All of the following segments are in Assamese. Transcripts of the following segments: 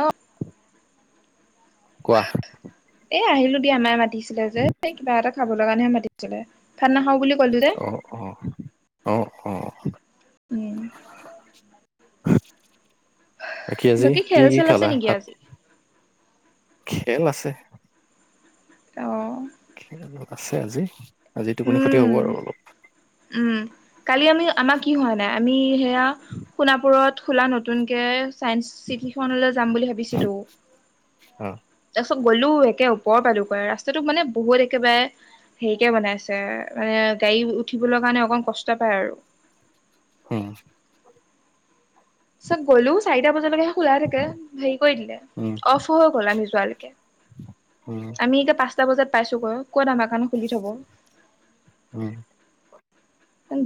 অঁ। কোৱা? এই আহিলো দিয়া মাই মাতিছিলে যে এই কিবা এটা খাবলৈ কাৰণেহে মাতিছিলে। ভাত নাখাওঁ বুলি ক'লো যে। অঁ অঁহ, অঁ অঁহ। উম। বাকী আজি কি খেল কি চেল আছে খালা নেকি ভাত? আজি খেল আছে। অঁ। খেল অলপ আছে আজি-আজি টোপনি ক্ষতি হ'ব উম আৰু অলপ। উম, কালি আমি আমাৰ কি হোৱা নাই। আমি সেয়া সোণাপুৰত খোলা নতুনকৈ ছায়েন্ঞ্চ চিটিখনলৈ যাম বুলি ভাবিছিলো। অ তাৰপিছত গ'লো একে ওপৰ পালো। ৰাস্তাতটো মানে বহুত একেবাৰে হেৰিকে বনাই আছে। মানে গাড়ী উঠিবলৈ কাৰণে অকণ কষ্ট পায় আৰু। উম, চব গ'লো চাৰিটা বজালৈকে খোলা থাকে, হেৰি কৰি দিলে উম অফ হৈ গ'ল আমি যোৱালৈকে। অ', আমি এতিয়া পাঁচটা বজাত পাইছোগৈ, কত আমাৰখন খুলি থব। উম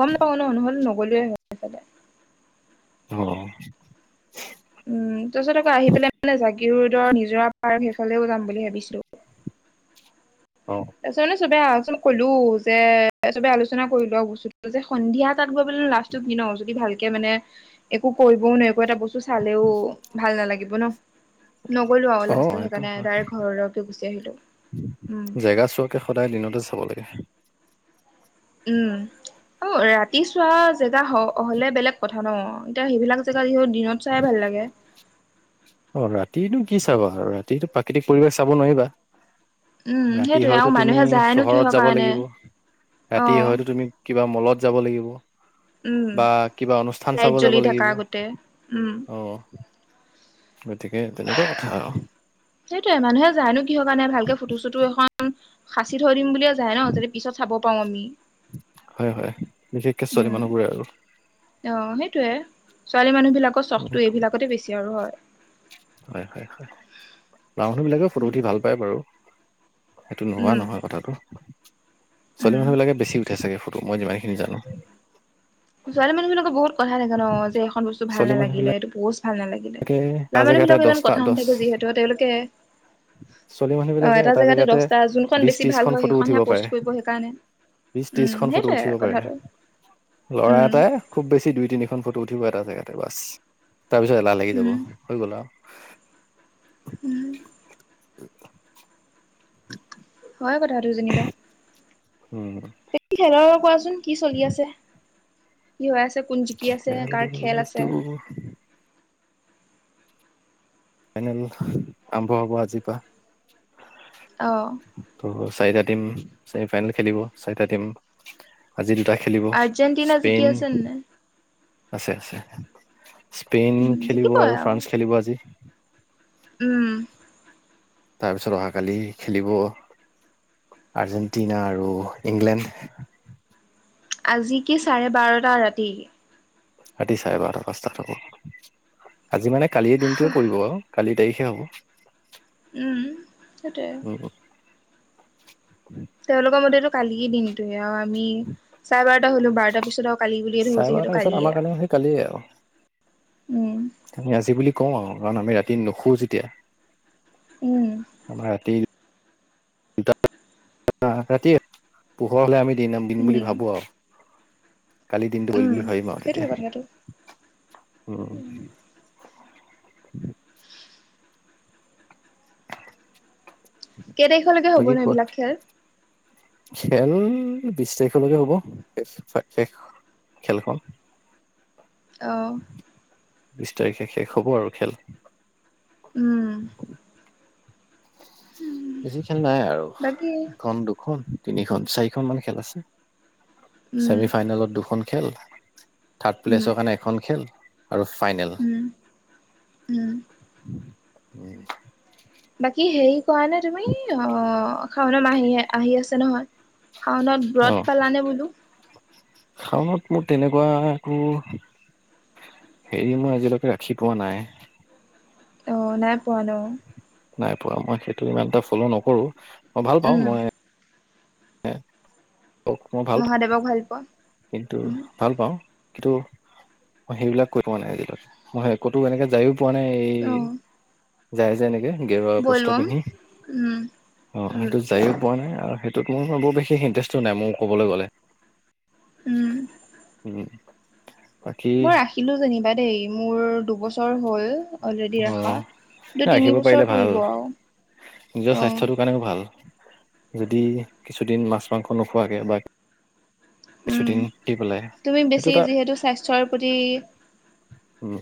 গম নাপাও ন নহ'লে নগলোৱে হৈ চাগে। অ', উম, তাৰপিছত আকৌ আহি পেলাই মানে জাগী ৰোডৰ নিজৰা পাৰ্ক সেইফালেও যাম বুলি ভাবিছিলো। অ', তাৰপিছত নে চবে আচ কলো যে চবে আলোচনা কৰিলো আৰু বস্তুটো যে সন্ধিয়া তাত গৈ পেলাই লাষ্ট কি ন যদি ভালকে মানে একো কৰিবও ন, একো এটা বস্তু চালেও ভাল নালাগিব ন। নগলো আক অ লাষ্টত, সেইটো সেইকাৰণে হয় ডাইৰেক্ট ঘৰলৈকে গুচি আহিলো উম, জেগা চোৱাকে সদায় দিনতে চাব লাগে। উম, অ, ৰাতি চোৱা জেগা হ হলে বেলেগ কথা ন। এতিয়া সেইবিলাক জেগা যিহেতু দিনত চাই ভাল লাগে। অ, ৰাতিতো কি চাবা, ৰাতিটো প্ৰাকৃতিক পৰিৱেশ চাব নোৱাৰিবা। উম, ৰাতি সেইটোয়ে আৰু হয়তো তুমি মানুহে যায়নো চহৰত কিহৰ যাব কাৰণে লাগিব, ৰাতি অ', হয়তো তুমি কিবা মলত যাব লাগিব উম। বা কিবা অনুষ্ঠান লাইট চাব জ্বলি যাব থাকা লাগিব। গোটেই উম, অ, গতিকে তেনেকুৱা কথা আৰু। সেইটোয়ে মানুহে যায় নো কিহৰ কাৰণে ভালকে ফটো চুটো এখন সাঁচি থৈ দিম বুলে যায় ন। যদি পিছত চাব পাও আমি। হয়-হয় বিশেষকে ছোৱালী উম, মানুহবোৰে আৰু। অ, সেইটোয়ে, ছোৱালী মানুহ বিলাকৰ চখটো এইবিলাকতে বেছি আৰু হয়। হয়-হয়-হয় মানুহ বিলাকেও ফটো উম, উঠি ভাল পায় বাৰু। সেইটো নোহোৱা উম, নহয় কথাটো, ছোৱালী উম। মানুহ বিলাকে বেছি তেতিয়া চাগে ফটো, মই যিমানখিনি জানো। ছোৱালী মানুহবিলাকৰ বহুত কথা নাজানো। অ, যে এখন বস্তু ভাল ছোৱালী মানুহ নালাগিলে, এইটো পোষ্ট ভাল নালাগে। বিলাকে এটা ল'ৰা মানুহ জেগাতে বিলাক ইমান দহটা কথা দহ নাথাকে যিহেতু তেওঁলোকে ছোৱালী মানুহ অ, বিলাকে এটা জেগাতে দহটা, যোনখন বিশ বেছি ভাল ত্ৰিশখন হয় ফটো উঠিব সেইখনহে পষ্ট পাৰে কৰিব সেইকাৰণে। বিশ উম, ত্ৰিশখন ফটো সেইটোৱে উঠিব পাৰে কথাটো। ল'ৰা উম এটাই খুব বেছি দুই তিনিখন ফটো উঠিব এটা জেগাতে বাছ। তাৰ পিছত এলাহ লাগি যাব উম হৈ গ'ল আৰু। উম, [inaudible] হয় কথাটো যেনিবা। উম, খেলৰ কোৱাচোন কি চলি আছে, কি হৈ আছে? কোন জিকি আছে, কাৰ খেল খেলটো আছে? ফাইনেল, আৰম্ভ হ'ব আজিৰ পৰা। অ', ত চাৰিটা টিম ছেমি ফাইনেল খেলিব চাৰিটা টিম। আজি দুটা খেলিব আৰ্জেণ্টিনা জিকি স্পেইন আছে নে নাই আছে-আছে, স্পেইন উম খেলিব জিকিবই আৰু ফ্ৰান্স খেলিব আজি। উম' তাৰপিছত, অহাকালি খেলিব আৰ্জেণ্টিনা আৰু ইংলেণ্ড। আজি কি, চাৰে বাৰটা ৰাতি। ৰাতি চাৰে বাৰটা, পাঁচটাত হ'ব, আজি মানে কালিৰ দিনটোৱে পৰিব। কালি তাৰিখে হ'ব। উম' সেইটোৱে। উম' তেওঁলোকৰ মতেতো কালিৰ দিনটোৱে, অ, আমি চাৰে বাৰটা হলোঁ, বাৰটাৰ পিছত আৰু কালি বুলিয়ে ধৰো, যিহেতু কালিয়ে আও। কালি আও উম' আমি আজি বুলি কওঁ আৰু, কাৰণ আমি ৰাতি নুশুও যেতিয়া। উম' আমাৰ ৰাতি পুৱা, ৰাতিয়ে, পোহৰ হ'লে আমি দিন বুলি উম ভাবো আও। কালিৰ দিনটো গ'ল উম বুলি ভাবিম আও তেতিয়া। উম' কেই তাৰিখলৈকে হ'ব বাকী ন, কোৱা এইবিলাক খেল? খেল, বিশ তাৰিখলৈকে হ'ব। শেষ-শেষ খেলখন। অহ বিশ তাৰিখে শেষ হ'ব আৰু খেল। উম বেছি খেল নাই আৰু বাকী এখন, দুখন, তিনিখন, চাৰিখন মান খেল আছে। উম ছেমি ফাইনেলত দুখন খেল। থাৰ্ড উম প্লেছৰ কাৰণে এখন খেল। আৰু ফাইনেল উম উম বাকী হেৰি কৰা নে তুমি, অ, শাওন মাহ আহি-আহি আছে নহয়। শাওনত অ ব্ৰত পালানে বোলো? শাওনত মোৰ, তেনেকুৱা একো হেৰি, মই আজিলৈকে ৰাখি পোৱা নাই। অ, নাই পোৱা ন। নাই পোৱা মই সেইটো ইমান এটা ফ্লো নকৰো মই ভাল পাওঁ উম মই। য়ে অ অ মহাদেৱক ভাল পোৱা। কিন্তু উম ভাল পাওঁ। কিন্তু মই সেইবিলাক কৈ পোৱা নাই আজিলৈকে, মই ক'তো এনেকে যায়ো পোৱা নাই এই অ যায় যে এনেকে গেৰুৱা বস্ত বলবম পিন্ধি, উম অ, উম সেইটো যায়ো পোৱা নাই আৰু সেইটোত মোৰ বৰ বেছি ইণ্টাৰেষ্টটো নাই, মোৰ ক'বলৈ গ'লে। উম উম' মই ৰাখিলো যেনিবা দেই, মোৰ দুবছৰ হ'ল। অলৰেডি অ ৰাখা, কিন্তু তিনি ৰাখিব পাৰিলে বছৰ ভাল পৰিব আও। নিজৰ স্বাস্থ্যটোৰ কাৰণেও ভাল যদি কিছুদিন মাছ মাংস নোখোৱাকে বা উম কিছুদিন দি পেলাই তুমি বেছি এইটো এটা। যিহেতু স্বাস্থ্যৰ প্ৰতি উম।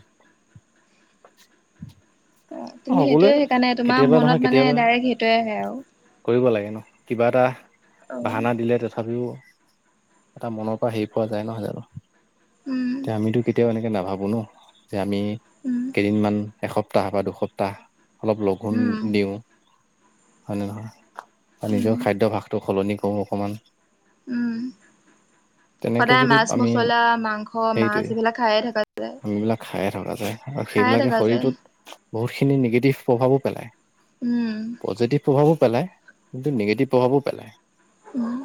অ তুমি সকলোৱে সেইটোয়ে সেইকাৰণে তোমাৰ কেতিয়াবা মনত নহয় মানে কেতিয়াবা। ডাইৰেক্ট সেইটোয়ে আহে আৰু কৰিব লাগে ন কিবা এটা উম বাহানা দিলে তথাপিও। এটা মনৰ পৰা হেৰি পোৱা যায় নহয় জানো। এতিয়া উম আমিতো কেতিয়াও এনেকে নাভাবো ন যে আমি কেইদিনমান। এসপ্তাহ বা দুসপ্তাহ অলপ লঘোন উম দিওঁ হয়নে নহয়। অ, নিজৰ উম খাদ্যভাসটো সলনি কৰো অকমান। উম তেনেকে সদায় যদি মাছ আমি মছলা মাংস মাছ সেইটোৱে এইবিলাক খায়ে থকা যায় আমিবিলাক খায়ে থকা যায়। হ, খায়ে সেইবিলাকে থকা যায় শৰীৰটোত বহুতখিনি নিগেটিভ প্ৰভাৱো পেলায় উম পজিটিভ প্ৰভাৱো পেলায় কিন্তু নিগেটিভ প্ৰভাৱো পেলায়। উম,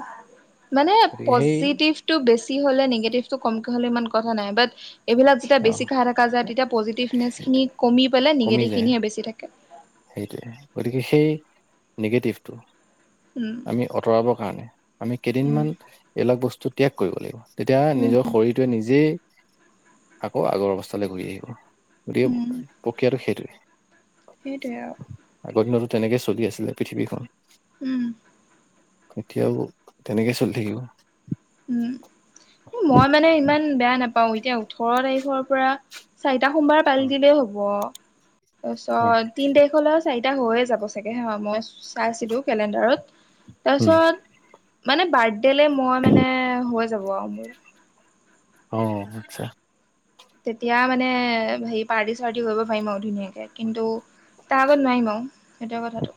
মানে গতিকে সেই পজিটিভ টো বেছি হ'লে নিগেটিভ টো কমক হ'লে ইমান কথা নাই বাত এইবিলাক যেতিয়া অ বেছি খাই থকা যায় তেতিয়া পজিটিভনেছখিনি কমি পেলে কমি যায় নিগেটিভখিনিহে বেছি থাকে। সেইটোৱে গতিকে সেই নিগেটিভটো উম আমি অতৰাব কাৰণে আমি উম কেইদিনমান এইবিলাক বস্তু ত্যাগ কৰিব লাগিব। তেতিয়া উম নিজৰ শৰীৰটোৱে নিজেই আকৌ আগৰ অৱস্থালে ঘূৰি আহিব গতিকে উম প্ৰক্ৰিয়াটো সেইটোৱে। সেইটোৱে আও। আগৰ দিনতটো তেনেকে চলি আছিলে পৃথিৱীখন। উম, এতিয়াও তেনেকে চলি থাকিব। উম, [unintelligible] মই মানে ইমান বেয়া নাপাও এতিয়া ওঠৰ তাৰিখৰ পৰা চাৰিটা সোমবাৰ পালি দিলেই হ'ব অ টাছত তিনি তাৰিখলৈ চাৰিটা হৈয়ে যাব চাগে হা মই চাইছিলোঁ কেলেণ্ডাৰত। উম তাৰছত মানে বাৰ্থডেলে মই মানে হৈ যাব আৰু মোৰ। অ, আচ্ছা। তেতিয়া মানে হেৰি পাৰ্টি -চাৰ্টি কৰিব পাৰিম আৰু ধুনীয়াকে কিন্তু তাৰ আগত নোৱাইম আওঁ। সেইটোৱে কথাটো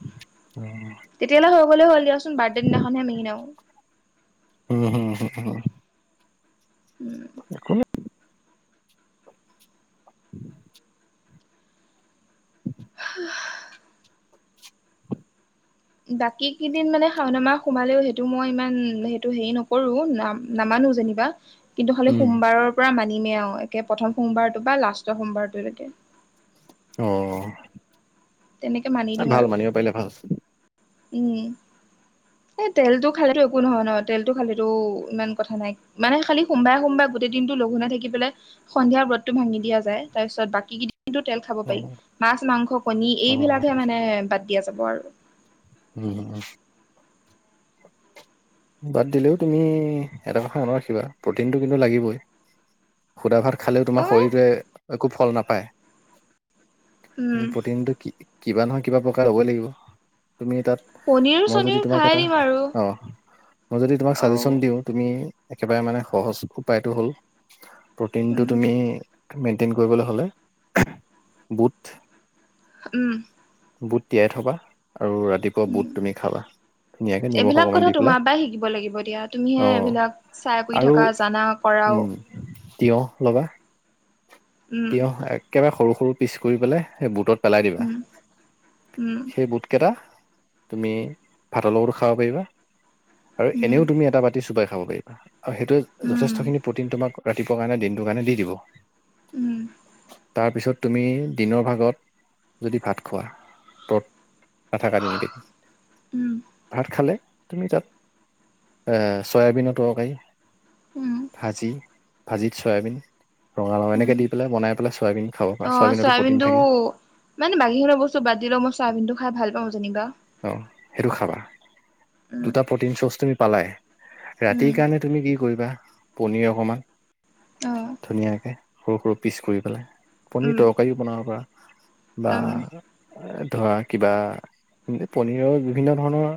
উম তেতিয়ালে হৈ গ'লে হ'ল দিয়াচোন বাৰ্থডে দিনাখনহে মেইন‌ আও। উম, হুম- হুম-হুম। উম, [unintelligible] বাকী কেইদিন মানে শাওন মাহ সোমালেও সেইটো মই ইমান সেইটো হেৰি নকৰোঁ নাম নামানো যেনিবা। কিন্তু হলেওঁ উম সোমবাৰৰ পৰা মানিমে আৰু একে প্ৰথম সোমবাৰটো বা লাষ্টৰ সোমবাৰটোলৈকে। অ', তেনেকে মানি দিম ভাল আৰু মানিব পাৰিলে ভাল। উম, এ তেলটো খালে টো একো নহয় নহ তেলটো খালেতো ইমান কথা নাই। মানে খালি সোমবাই-সোমবাই গোটেই দিনটো লঘোনে থাকি পেলে সন্ধিয়াৰ ব্ৰতটো ভাঙি দিয়া যায় তাৰ পিছত বাকী কিন্তু তেল খাব পাৰি অ', মাছ, মাংস, কণী অ', এইবিলাকহে মানে বাদ দিয়া যাব আৰু। উম, [unintelligible] বাদ দিলেও তুমি এটা কথা মনত ৰাখিবা প্ৰটিনটো কিন্তু লাগিবই সুধা ভাত খালেও তোমাৰ অ শৰীৰটোৱে একো ফল নাপায় উম প্ৰটিনটো কি কিবা নহয় কিবা প্ৰকাৰ হ'বই লাগিব তুমি তাত পনীৰ মই যদি চনীৰ তোমাক খাই এটা দিম আৰু অ, মই যদি তোমাক অ চাজেচন দিওঁ তুমি একেবাৰে মানে সহজ উপায়টো হ'ল উম প্ৰ'টিনটো তুমি মেইনটেইন কৰিবলৈ হ'লে বুট উম, বুট তিয়াই থবা আৰু ৰাতিপুৱা উম বুট তুমি খাবা ধুনীয়াকে নিমখ অকমান দি পেলাই। বাই শিকিব লাগিব দিয়া তুমিহে অ', এইবিলাক চাই কৰি আৰু থাকা জানা উম কৰাও। তিয়হ লবা উম তিয়হ একেবাৰে সৰু -সৰু পিছ কৰি পেলাই সে বুটত পেলাই দিবা উম উম সেই বুট কেইটা। তুমি ভাতৰ লগতো খাব পাৰিবা আৰু উম এনেও তুমি এটা বাতি চোবাই খাব পাৰিবা। অ, সেইটোত উম যথেষ্ট খিনি প্ৰটিন তোমাক ৰাতিপুৱা মানে দিনটোৰ কাৰণে দি দিব। উম। তাৰপিছত তুমি দিনৰ ভাগত যদি ভাত খোৱা, ত নাথাকা দিনকেই, উম ভাত খালে। তুমি তাত এ চয়াবিনত তৰকাৰি, উম ভাজি। ভাজিত চয়াবিন ৰঙা - ৰঙা উম এনেকৈ দি পেলাই চয়াবিন খাব পাৰ, চয়াবিনতো প্ৰ'টিন থাকে। ব মানে বাকীখনৰ বস্তু বাদ দিলও মই চাহাবিনটো খাই ভাল পাওঁ যেনিবা। অ সেইটো খাবা। উম দুটা প্ৰটিন চ'চ তুমি পালাই। উম ৰাতিৰ কাৰণে তুমি কি কৰিবা, পনীৰ অকমান অ। ধুনীয়াকৈ সৰু - সৰু পিচ কৰি পেলাই, পনীৰ উম তৰকাৰীও বনাব পাৰা বা উম এ ধৰা কিবা কিন্তু পনীৰৰ বিভিন্ন ধৰণৰ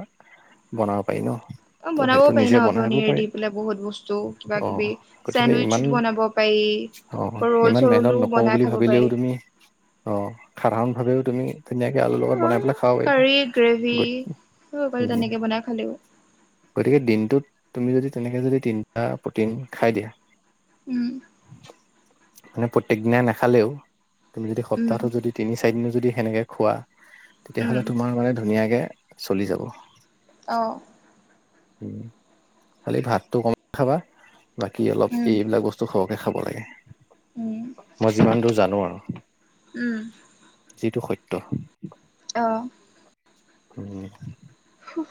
বনাব পাৰি ন। অ ত' বনাব সেইটো পাৰি নিজে ন আ বনাই লব পনিৰে পাৰি দি পেলাই বহুত বস্তু কিবা - অ কিবি চেণ্ডউইচত বনাব পাৰি অঁ ৰল ইমান মেহনত চৰলো নকওঁ বনাই বুলি খাব ভাবিলেও পাৰি তুমি অ সাধাৰণ ভাৱেও তুমি ধুনীয়াকে আলুৰ লগত বনাই পেলাই খাও পাৰিবা। কাৰী গ্ৰেভি উ বাৰু তেনেকে বনাই খালেও। গতিকে দিনটোত তুমি যদি তেনেকৈ যদি তিনিটা প্ৰটিন খাই দিয়া। উম। মানে প্ৰত্যেক দিনা নাখালেও, তুমি যদি উম সপ্তাহটো যদি তিনি চাৰিদিনো যদি সেনেকে খোৱা উম তেতিয়াহ'লে তোমাৰ মানে ধুনীয়াকে চলি যাব। অঁ। উম খালি ভাতটো কমাই খাবা, বাকী অলপ উম এইবিলাক বস তু সৰহকে খাব লাগে। উম মই যিমান দূৰ জানো আৰু উম যিটো সত্য। অঁ। উম। হুহ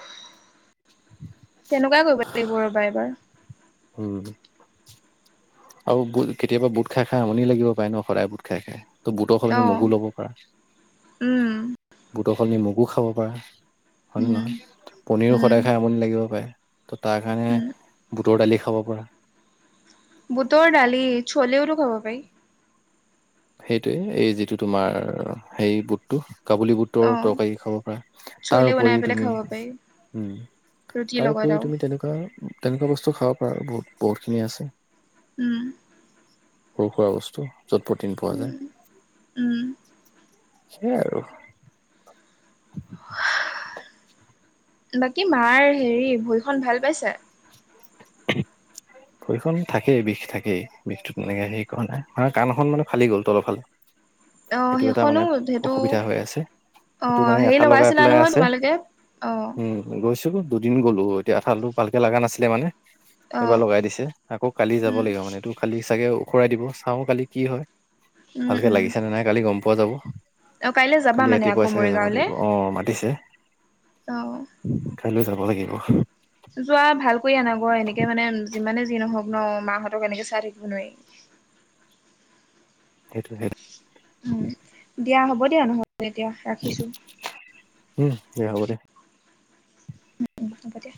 তেনেকুৱাই কৰিব লাগিব ৰ'বা এবাৰ। উম। আৰু বুট কেতিয়াবা বুট খাই খাই আমুনি লাগিব পায় ন সদায় বুট খাই খাই। ত' বুটৰ সলনি অ মগু লব পাৰা। উম বুটৰ সলনি নিমখো খাব পাৰে হয় নে উম নহয়? পনীৰো উম সদায় খাই আমনি লাগিব পাৰে। ত তাৰ কাৰণে উম বুটৰ দালি খাব পাৰা। বুটৰ দালি চলেওটো খাব পাৰি। সেইটোয়ে এই যিটো তোমাৰ সেই বুটটো কাবুলী বুট অ তৰ তৰকাৰী খাব পৰা তাৰ চলে বনাই উপৰিও পেলাই তুমি খাব পাৰি উম। ৰুটিৰ তাৰ লগত উপৰিও আৰু তুমি তেনেকুৱা - তেনেকুৱা বস্তু খাব পাৰা বহুত বহুতখিনি আছে। উম। সৰু সুৰা বস্তু য'টপট উম উম। সেইয়া আৰু। বাকী মাৰ হেৰি ভৰিখন ভাল পাইছা? [unintelligible] ভৰিখন থাকেই বিষ থাকেই বিষটো তেনেকে হে কৰা নাই কাৰণ কাণখন মানে ফালি গ'ল তলৰ ফালে অ সেইটো এটা সেইখনো মানে সেইটো অসুবিধা হৈ আছে। অ সেইটো মানে হেৰি এঠা লগাই লগাইছিলা পেলাই নহয় আছে তোমালোকে অ উম। গৈছো দুদিন গ'লো এতিয়া এঠালটো ভালকে লগা নাছিলে মানে এইবাৰ অঁ লগাই দিছে। আকৌ কালি যাব উম লাগিব মানেটো কালি চাগে ওখৰাই দিব চাওঁ কালি কি হয়? উম ভালকে উম লাগিছে নে নাই কালি গম পোৱা যাব? অ কাইলৈ যাবা কালি মানে আকৌ ৰাতিপুৱাই চাগে যাব মৰিগাঁওলে লাগিব অহ মাতিছে। অ কাইলৈ যাব লাগিব যোৱা ভাল কৰি আনাগ এনেকে মানে যিমানে যি নহওক ন মাহঁতক এনেকে চাই থাকিব নোৱাৰি সেইটো সেইটো উম দিয়া হ'ব দিয়া নহ'লে এতিয়া ৰাখিছো উম এয়া হ'ব দে উম উম হ'ব দে।